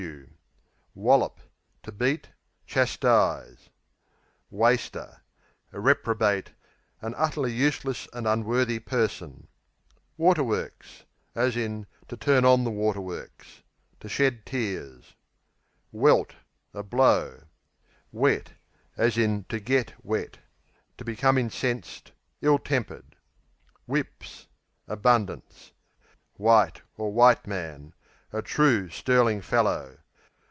Wallop To beat; chastise. Waster A reprobate; an utterly useless and unworthy person. Waterworks, to turn on the To shed tears. Welt A blow. Wet, to get To become incensed; ill tempered. Whips Abundance. White (white man) A true, sterling fellow.